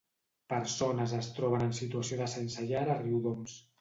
Persones es troben en situació de sense llar a Riudoms.